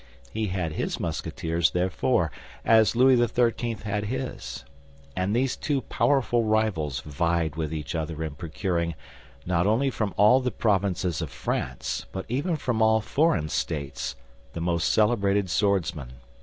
He had his Musketeers therefore, as Louis XIII. had his, and these two powerful rivals vied with each other in procuring, not only from all the provinces of France, but even from all foreign states, the most celebrated swordsmen.